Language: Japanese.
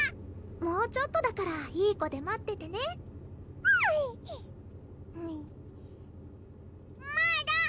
もうちょっとだからいい子で待っててねあいまだ？